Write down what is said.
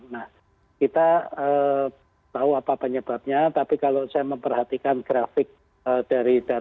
nah kita tahu apa penyebabnya tapi kalau saya memperhatikan grafik dari data data